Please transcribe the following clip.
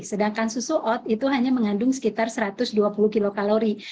sedangkan susu oat itu hanya mengandung sekitar satu ratus dua puluh kilokalori